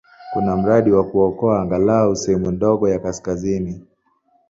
Kuna mradi wa kuokoa angalau sehemu ndogo ya kaskazini.